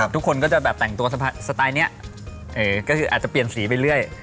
ทุกคนก็จะแบบแต่งตัวสไตล์นี้ก็คืออาจจะเปลี่ยนสีไปเรื่อย